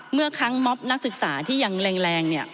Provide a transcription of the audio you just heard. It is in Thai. เมื่อครั้งม็อบนักศึกษาที่ยังแรง